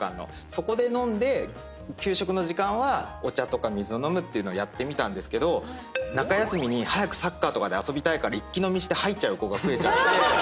そこで飲んで給食の時間はお茶とか水を飲むっていうのをやってみたんですけど中休みに早くサッカーとかで遊びたいから一気飲みして吐いちゃう子が増えちゃって。